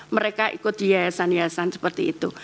mereka ikut di yayasan yayasan seperti itu